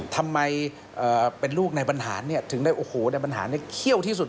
ทำไมเป็นลูกในบรรหารถึงได้โอ้โหในบรรหารเขี้ยวที่สุด